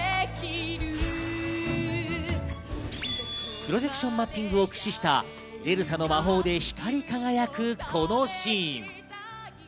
プロジェクションマッピングを駆使したエルサの魔法で光り輝く、このシーン。